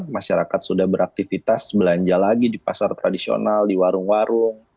masyarakat sudah beraktivitas belanja lagi di pasar tradisional di warung warung